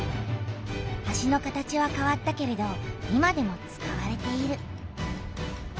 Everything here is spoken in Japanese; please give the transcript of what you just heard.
橋の形はかわったけれど今でも使われている。